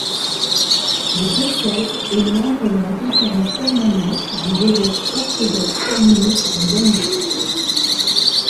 Le diocèse est membre de la Conférence permanente des Évêques orthodoxes canoniques des Amériques.